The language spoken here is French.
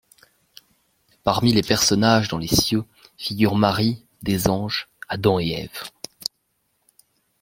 Parmi les personnages dans les cieux figurent Marie, des anges, Adam et Ève.